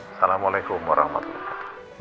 assalamualaikum warahmatullahi wabarakatuh